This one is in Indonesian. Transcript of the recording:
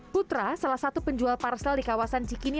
putra salah satu penjual parsel di kawasan cikini